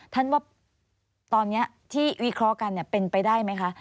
ท่านว่าตอนนี้ที่วิเคราะห์กันเป็นไปได้ไหมคะ